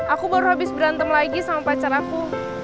aku baru habis berantem lagi sama pacar aku